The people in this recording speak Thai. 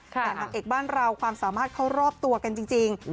แต่นางเอกบ้านเราความสามารถเขารอบตัวกันจริง